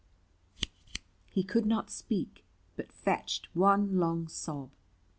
He could not speak, but fetched one long sob.